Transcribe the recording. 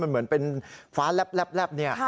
มันเหมือนเป็นฟ้าแลบนี่